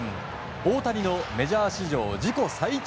大谷のメジャー史上自己最長